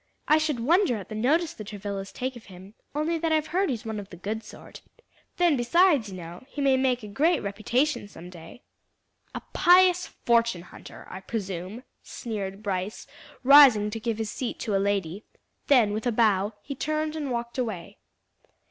I should wonder at the notice the Travillas take of him, only that I've heard he's one of the good sort. Then besides you know he may make a great reputation some day." "A pious fortune hunter, I presume," sneered Brice, rising to give his seat to a lady; then with a bow he turned and walked away.